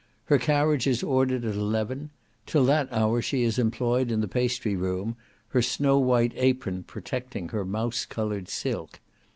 Her carriage is ordered at eleven; till that hour she is employed in the pastry room, her snow white apron protecting her mouse coloured silk.